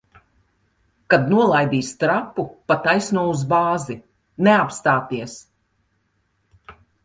Kad nolaidīs trapu, pa taisno uz bāzi. Neapstāties!